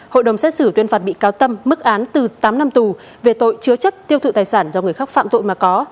hội đồng xét xử tuyên phạt bị cáo tâm mức án từ tám năm tù về tội chứa chấp tiêu thụ tài sản do người khác phạm tội mà có